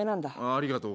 ありがとう。